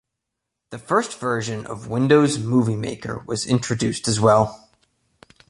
The first version of Windows Movie Maker was introduced as well.